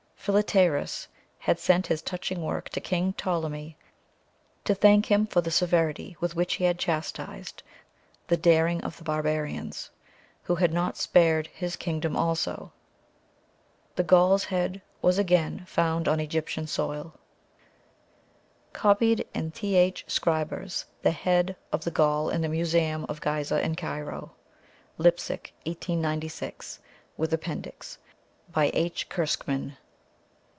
Philetaerus had sent this touching work to King Ptolemy to thank him for the severity with which he had chastised the daring of the barbarians, who had not spared his kingdom also. The Gaul's head was again found on Egyptian soil. [Copied in Th. Schrieber's The Head of the Gaul in the Museum of Ghizeh in Cairo. Leipsic, 1896. With appendix. By H. Curschmann.